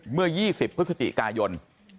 เมื่อ๒๐พฤศจิกายน